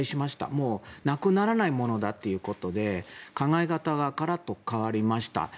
もうなくならないものだということで考え方がガラッと変わりました。